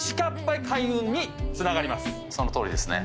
そのとおりですね。